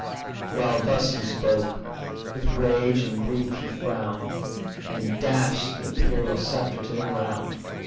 While thus he spoke, with rage and grief he frown'd, And dash'd the imperial sceptre to the ground.